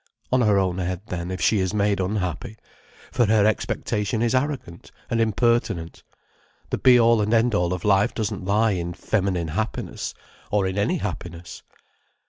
On her own head then if she is made unhappy: for her expectation is arrogant and impertinent. The be all and end all of life doesn't lie in feminine happiness—or in any happiness.